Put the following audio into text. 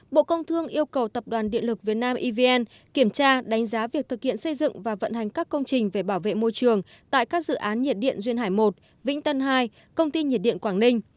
bộ công thương yêu cầu tập đoàn điện lực việt nam evn kiểm tra đánh giá việc thực hiện xây dựng và vận hành các công trình về bảo vệ môi trường tại các dự án nhiệt điện duyên hải một vĩnh tân hai công ty nhiệt điện quảng ninh